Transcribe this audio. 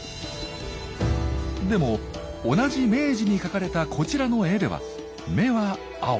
でも同じ明治に描かれたこちらの絵では目は青。